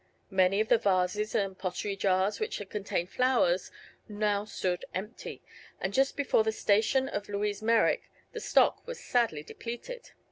Many of the vases and pottery jars which had contained flowers now stood empty, and just before the station of Louise Merrick the stock was sadly depleted.